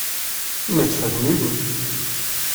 Mit Vergnügen!